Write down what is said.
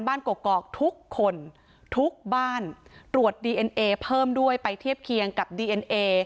กอกทุกคนทุกบ้านตรวจดีเอ็นเอเพิ่มด้วยไปเทียบเคียงกับดีเอ็นเอ